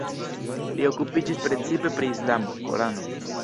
Li okupiĝis precipe pri islamo, Korano.